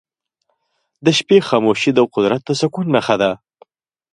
د شپې خاموشي د قدرت د سکون نښه ده.